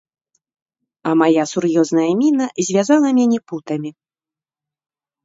А мая сур'ёзная міна звязала мяне путамі.